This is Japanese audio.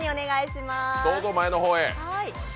どうぞ前の方へ。